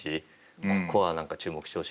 ここは何か注目してほしいですね。